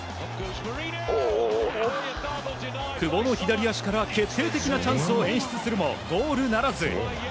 久保の左足から決定的なチャンスを演出するもゴールならず。